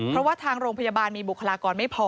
เพราะว่าทางโรงพยาบาลมีบุคลากรไม่พอ